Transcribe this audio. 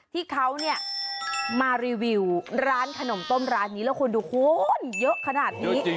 ที่เขาเนี่ยมารีวิวร้านขนมต้มร้านนี้แล้วคุณดูคุณเยอะขนาดนี้